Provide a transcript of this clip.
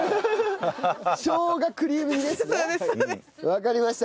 わかりました。